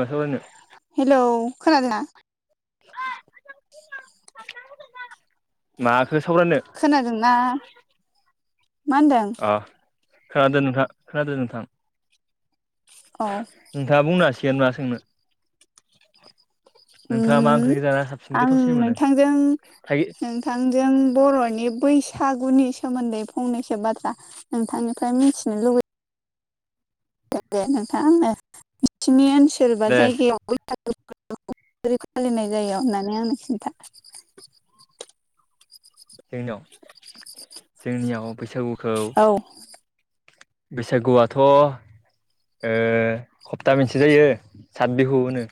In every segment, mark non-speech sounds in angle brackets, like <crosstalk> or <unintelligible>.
माथ आनो। हेलौ खोनादोंना? मोजां दिना बारनांगौ दोनना माखौ सावरायनो? खोनादोंना? मा होनदों अ खोनादों नोंथा खोनादों नोंथां। औ। नोंथाङा बुंनो हासिगोन मा सोंनो। नोंथाङा मा उयम ओंख्रिखौ जाना साबसिन आं गोथावसिन मोनो नोंथांजों थाइ नोंथा थांजों बर'नि बैसागुनि सोमोन्दै फंनैसो बाथ्रा नोंथांनिफ्राय मिथिनो लुबै नैबे नोंथांनो बिथिंनि ओनसोल बा दे जायगायाव बैथागु बोथोरखौ बोरै फालिनाय जायो होननानै आं खिन्था। जोंनियाव जोंनियाव बैसागुखौ औ। बैसागुआथ' ओ हप्ता मोनसे जायो सात बिहु होनो।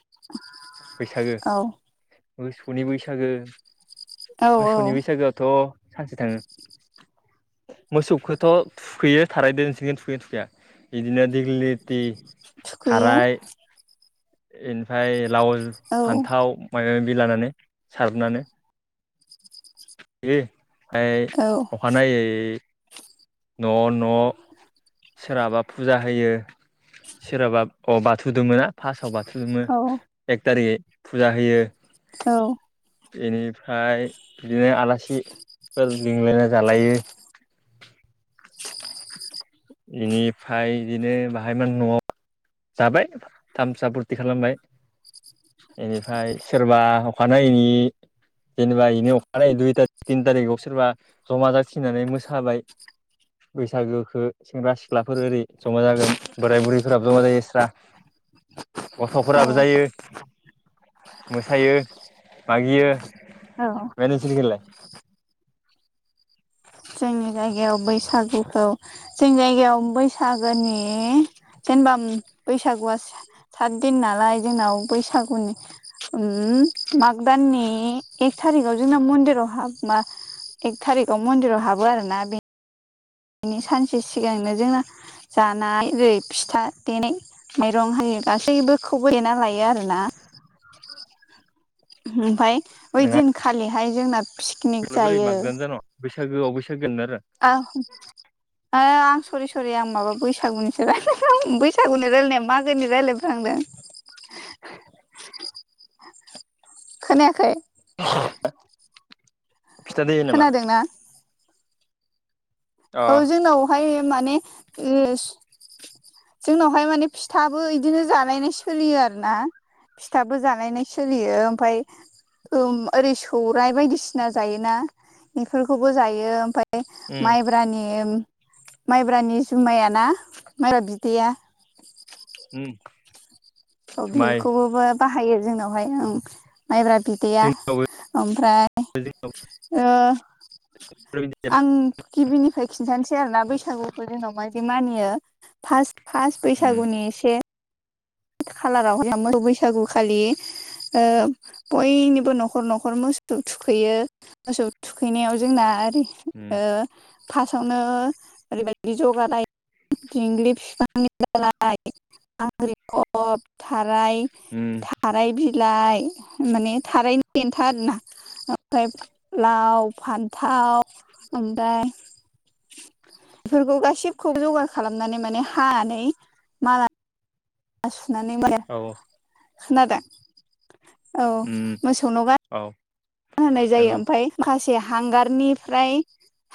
दुंहाव। बैसागो मोसौनि बैसागो औ औ मोसौनि बैसागोआथ' सानसे थाङो मोसौखौथ' थुखैयो थारय दोनसिगोन थुखैयो थुखैया। इदिनो दिगलिथि थुखैयो थाराय। इनफ्राय लावस औ फान्थाव मायबा मायबि लानानै सारनानो बि ओय। औ। अखानायै न' न' सोरहाबा फुजा होयो सोरहाबा अ बाथौ दुमोना? फास्टआव बाथौ जुमो एक थारि फुजा होयो। औ। इनिफ्राय बिदिनो आलासिफोर लिंलायना जालायो। इनिफ्राय बिदिनो बाहाय मोन न'आव जाबाय थामसा फुरथि खालामबाय। इनिफ्राय सोरबा अखानायैनि जेनेबा इनो अखानायै दुथा तिन थारिखाव सोरबा जमा जाथिनानै मोसाबाय। बैसागोखो सेंग्रा सिख्लाफोर ओरै जमा जागोन बोराय बुरैफोराबो जमा जायो। स्रा गथ'फोराबो औ जायो। मोसायो मागियो। औ। फ्राय नोंसिनिखैलाय? जोंनि जायगायाव बैसागुखौ जोंनि जायगायाव बैसागोनि जेनेबा बैसागुआ सा साद दिन नालाय जोंनाव बैसागुनि उम माग दाननि एक थारिखाव जोंना मन्दिराव हाब मा एक थारिखाव मन्दिराव हाबो आरो ना बि इनि सानसे सिगांनो जोंना जानाय ओरै फिथा देनाय। मेइरं हायो गासैबोखौबो एना लायो आरोना। ओमफाय बै नोंहा दिनखालिहाय जोंना पिकनिक बोरै जायो। मागिनानै जान' बैसागोआव बैसागोननारा। आहम। ओ आं सरि सरि आं माबा बैसागुनिसो रायलाय फ्लां बैसागुनि रायलायनाया मागोनि राय्लायफ्लांदों। ज खोनायाखै? फिथा दैयो नामा खोनादों ना अ औ जोंनावहाय माने जोंनावहाय माने फिथाबो इदिनो जानायायनाय सोलियो आर ना फिथाबो जालायनाय सोलियो ओमफफ्राय ओरै सौराइ बायदिसिना जायोना बेफोरखौबो जायो ओमफ्राय उम माइब्रानि माइब्रानि जुमायाना माइब्रा बिदैया उ औ बेखौबोबो बाहायो जोंनाव बेहाय आं माइब्रा बिदैया जोंनावबो ओमफ्राय आं गिबिनिफ्राय खिन्थानोसै आरो ना बैसागुखौ जोंनाव माबायदि मानियो फार्स्ट फार्ट उम बैसागुनि एसे खालारावहाय खालामो बैसागु खालि बयनिबो न'खर- न'खर मुस्थु थुखैयो मोसौ थुखैनायाव जोंना आरो उम फार्स्टावनो ओरैबायदि जगा लायो दिंग्लि बिफांनि दालाय आ अफ थाराय उम थाराय बिलाइ माने थारायनि दन्था आरोना ओमफ्राय लाव फान्थाव ओमफ्राय बेफोरखौ गासिबखौ जगार खालामनानै माने हानानै माल <unintelligible> औ खोनादों औ उम मोसौ नगा औ होनाय जायो नंगौ ओमफफ्राय माखासे हांगारनिफ्राय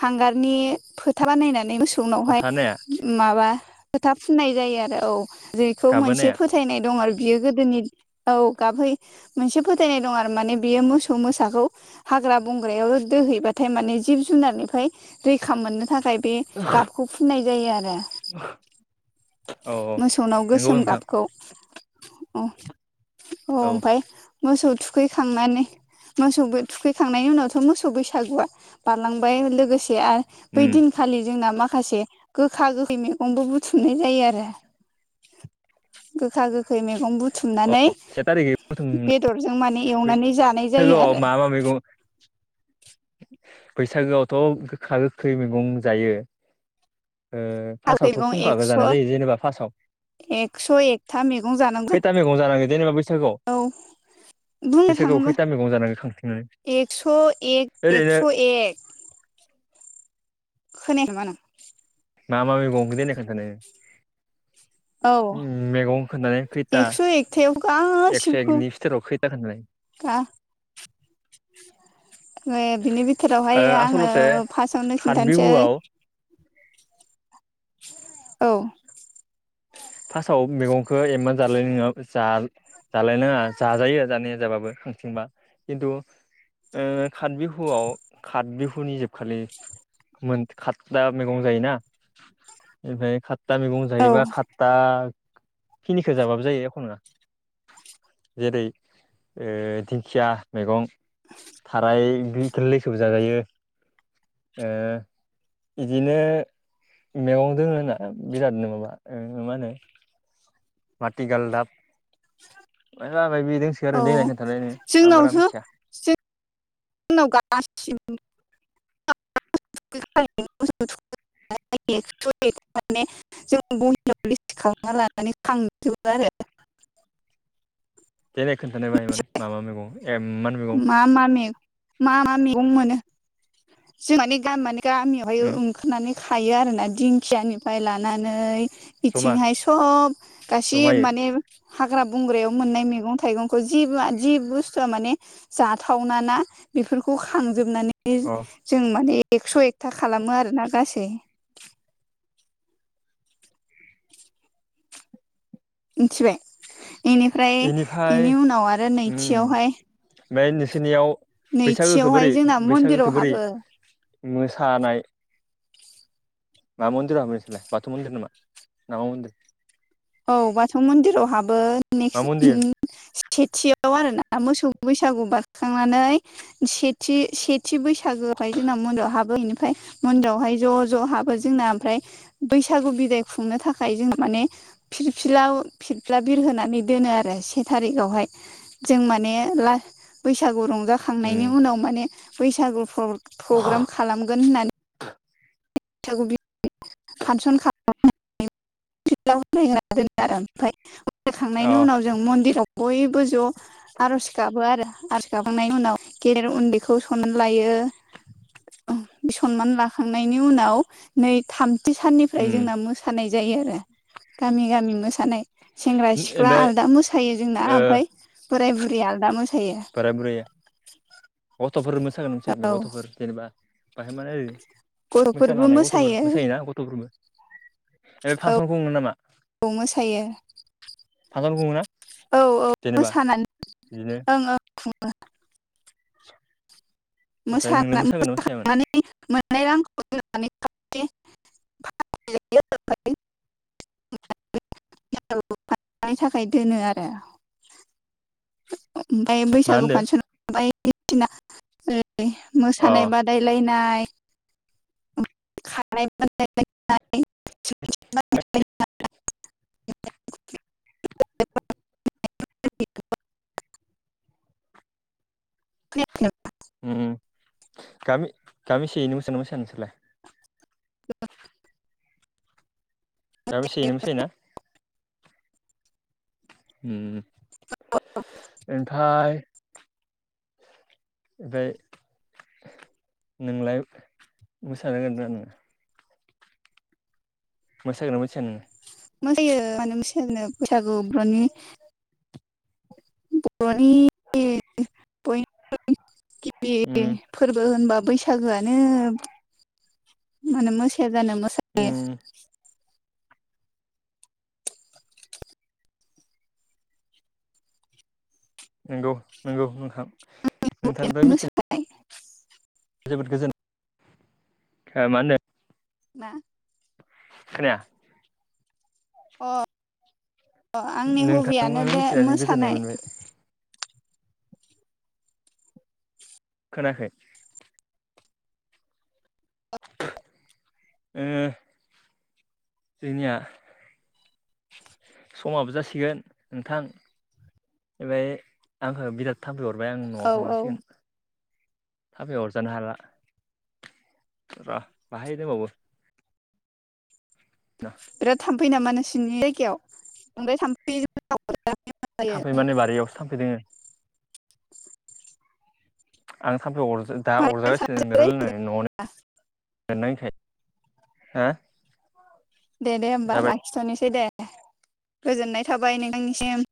हांगारनि फोथा बानायनानै मोस फथनावहाय फथा नाया माबा फोथा फुननाय जायो आरो औ जेखौ मोनसे गाबहोनाया फ फोथायनाय दं आरो बियो गोदोनि औ गाबै मोनसे फोथायनाय दं आरो माने बियो मोसौ मो फिसाखौ हाग्रा - बंग्रायाव दोहैबाथाय माने जिब जुनारनिफ्राय रैखा मोननो थाखाय बे गाबखौ फुननाय जायो आरो औ औ मोसौनाव नंगौ गोसोम नोंथां गाबखौ अ औ ओमफफ्राय मोसौ थुखैखांनानै मोसौबो थुखैखांनायनि उनावथ' मोसौ बैसागुआ बारलांबाय लोगोसे आरो बै उम दिन खालि जोंना माखासे गोखा गोखै मैगंबो बुथुमनाय जायो आरो गोखा गोखै मैगं बु बुथुमनानै अ से थारिखै बेदरजों मान एवनानै जानाय जायो ह आरो मा मा मैगं बैसागोआवथ' गोखा गोखै मैगं जायो गोखै फार्टआवथ' मैगं खुंखा गो एक्स' जानाय जायो जेनबा फार्स्टआव एक्स' एकथा मैगं जानांगौ खैथा मैगं जानांगोन जेनेबा बैसागु औ बुंनो बिसोर गोावखै दा मैगं जानांगो खांथिनानै एकस' एक एकस' एक खोनायाखै नामा नों मा मा मैगं देनाय खोन्थानाय नों औ मैगं खोननानै खैथा एक्स' एकथायाव एकस' एकनि फिथोराव खैथा खोन्थानाय दा बिनि बिथोरावहाय ओ आङो आसलथे फार्टआवनो हात खिन्थानोसै बिहुआव औ फार्स्टआव मेगंखो एमान जालाय नोङो जा जालायनाङा जाजायो जानाय जाबाबो खांथिंबा खिन्थु ओ काथ बिहुआव काथ बिहुनि जोबखालि मोन खतदा मैगं जायोना। ओमफ्राय खात्ता मैगं औ जायोबा खात्ता खिनिखो जाबाबो जायो एख नङा जेरै ओ दिंखिया मैगं थाराय <unintelligible> गोल्लैखोबो जाजायो ओ इदिनो मेगं दोङो ना बिरादनो माबा ओ मा होनो? माथि गालदाब मायबा मायबि दोंसो गारो देनाय औ खोन्थानाय नो आं बारा जोंनावथ' मिथिया। जोंनाव गासिबो <unintelligible> एक्स' माने जों बहियाव लिस्टि खालामना लानानै खांजोबो आरो देनाय खोन्थानाय <unintelligible> मा मा मेगं एममान मेगं। मा मा मे मा मा मेगं मोनो जों माने गामि मानि गामियावहाय उम <unintelligible> खोनानै खायो आरोना दिंखियानिफ्राय लानानै जमा इथिंहाय सब गासै जमायै माने हाग्रा बंग्रायाव मोननाय मेगं थाइगंखौ जिबो जि बुस्थुआ माने जाथावना ना बेफोरखौ खांजोबनानै अ जों माने एकस' एकथा खालामो आरोना गासै। मिथिबाय इनिफ्राय इनिफाय इनि उनाव आरो उम नैथियावहाय ओमफाय नोंसिनियाव बैसागोखौ नैथियावहाय बोरै जोंना मन्दिराव बैसागोखौ बोरै हाबो मोसानाय मा मन्दिराव हाबो नोंसालाय बाथौ मन्दिर नामा नामा मन्दिर? औ बाथौ मन्दिराव हाबो मा नेक्स्ट मन्दिर <unintelligible> सेथियाव आरोना मोसौ बैसागु बारखांनानै सेथि सेथि बैसागोहाय जोंना मदआव हाबो बेनिफ्राय मन्दिरावहाय ज' ज' हाबो जोंना ओमफ्राय बैसागु बिदाय खुंनो थाखाय जोंङो माने फिरफिला फिरफिला बिरहोनानै दोनो आरो से थारिखावहाय। जों माने ला बैसागु रंजा उम खांनायनि उनाव माने बैसागु प्र-प्रग्राम खालामगोन होननानै <unintelligible> सागु बि फानसन खालाम <unintelligible> दोनो आरो ओमफ्राय अ होलायखांनायनि उनाव जों मन्दिराव बयबो ज' आर'ज गाबो आरो आर'ज गाबखांनायनि उनाव गेदेर उन्दैखौ सननानै लायो। सनमान लाखांनायनि उनाव नै थाम थि साननिफ्राय उम जोंना मोसानाय जायो आरो गामि गामि मोसानाय। सेंग्रा सिख्ला ओमफाय आलादा मोसायो जोंना ओ ओमफ्राय बोराय बुरि आलादा मोसायो। बोराय बुरै गथ'फोर मोसागोन मोसाया बे औ गथ'फोर जेनेबा बाहाय माने ओरै मोसानो गथ'फोरबो हानाय गथ'फोर मोसायो मोसायोना गथ'फोरबो? ओ फानसन खुङोमोन नामा औ मोसायो फांसन खुंङो ना? औ औ मोसानानै बिदिनो ओं ओं खुङो। ओमफ्राय नोंलाय मोसानानै मोसागोन नामा मोसायामोन? <unintelligible> <unintelligible> <unintelligible> थाखाय दोनो आरो ओमफाय मा बैसागु होनदो फानसन बायदिसिना <unintelligible> अ मोसानाय बाद दायलायनाय <unintelligible> <unintelligible> <unintelligible> उम गामि गामि सेयैनो मोसायोना मोसाया नोंसोरलाय? <inaudible> <unintelligible> उम ओमफाय ओमफाय नोंलाय मोसानो‌ रोंङोना रोङा नोङो? मोसागोना मोसाया नोङो? मोसायो मानो मोसाया जानो बैसागु बर'नि <unintelligible> उम फोरबो होनबा बैसागोआनो मानो मोसाया जानो मोसायो। <inaudible> नोंगौ नोंगौ नोंथां नोंथांनिफ्राय मिथि <unintelligible> जोबोद गोजोन माननो मा खोनाया अ अ आंनि हबियानो नोंथांनिफ्राय दे मिथिनानै गोजोननाय मोसानाय। मोनबाय <inaudible> खोनायाखै ओ जोंनिया समाबो जासिगोन नोंथां ओमफाय आंखो बिराद थामफै अरबाय आं न'आव औ औ थांनांसिगोन थामफै अरजानो हाला। र' बाहाय दोंबावो। बिराथ थाम्फै नामा नोंसिनि जायगायाव ओमफाय थामफै <unintelligible> थामफै माने बारियावसो थामफै दोङो। आं थामफै अर दा बानायबाय अरजागासिनो नोंजों थानोसैलै लारायनानै न'आव नेथ नाङैखाय हा दे दे ओमबा जाबाय लाखिथ'नोसै दे गोजोननाय थाबाय नोंथांनिसिम।